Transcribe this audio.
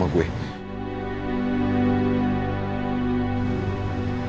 ada yang perlu lo liat